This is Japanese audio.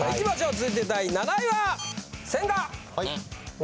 続いて第７位は？